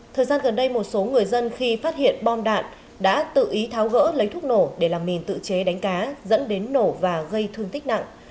thời gian gần đây một số người dân khi phát hiện bom đạn đã tự ý tháo gỡ lấy thuốc nổ để làm mìn tự chế đánh cá dẫn đến nổ và gây thương tích nặng